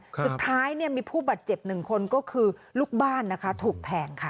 สุดท้ายมีผู้บาดเจ็บหนึ่งคนก็คือลูกบ้านนะคะถูกแทงค่ะ